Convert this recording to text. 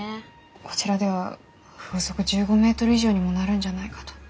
こちらでは風速１５メートル以上にもなるんじゃないかと。